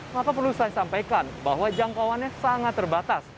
maka perlu saya sampaikan bahwa jangkauannya sangat terbatas